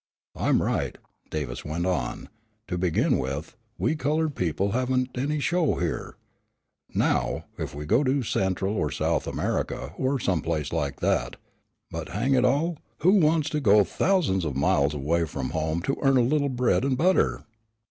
"I'm right," Davis went on, "to begin with, we colored people haven't any show here. Now, if we could go to Central or South America, or some place like that, but hang it all, who wants to go thousands of miles away from home to earn a little bread and butter?"